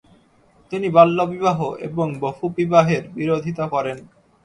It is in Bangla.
তিনি বাল্যবিবাহ এবং বহুবিবাহের বিরোধিতা করেন।